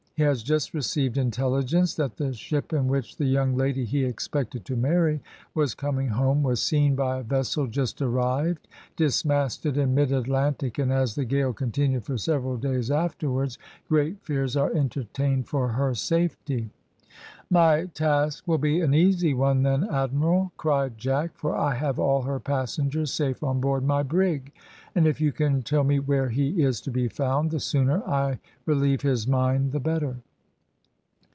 He has just received intelligence that the ship in which the young lady he expected to marry was coming home was seen by a vessel just arrived, dismasted in mid Atlantic, and as the gale continued for several days afterwards, great fears are entertained for her safety." "My task will be an easy one, then, admiral," cried Jack, "for I have all her passengers safe on board my brig; and if you can tell me where he is to be found, the sooner I relieve his mind the better."